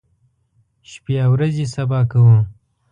شپې او ورځې سبا کوو.